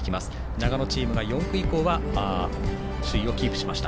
長野チームが４区以降は首位をキープしました。